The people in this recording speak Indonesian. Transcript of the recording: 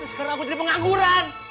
sekarang aku jadi pengangguran